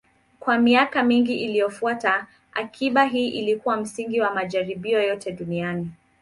Kwa miaka mingi iliyofuata, akiba hii ilikuwa msingi wa majaribio yote duniani.